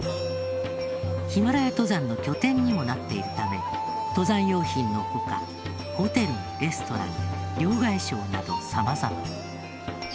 ヒマラヤ登山の拠点にもなっているため登山用品の他ホテルレストラン両替商など様々。